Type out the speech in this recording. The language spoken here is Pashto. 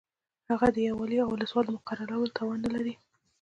هغه د یو والي او ولسوال د مقررولو توان نه لري.